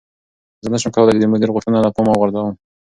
زه نشم کولی چې د مدیر غوښتنه له پامه وغورځوم.